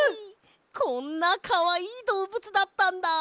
こんなかわいいどうぶつだったんだ。